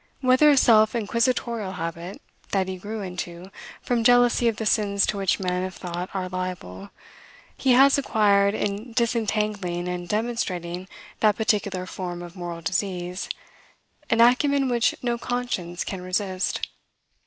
Whether a self inquisitorial habit, that he grew into, from jealousy of the sins to which men of thought are liable, he has acquired, in disentangling and demonstrating that particular form of moral disease, an acumen which no conscience can resist.